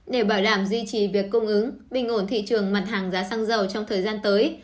để bảo đảm duy trì việc cung ứng bình ổn thị trường mặt hàng giá xăng dầu trong thời gian tới